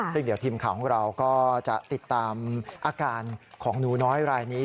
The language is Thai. ซึ่งเดี๋ยวทีมข่าวของเราก็จะติดตามอาการของหนูน้อยรายนี้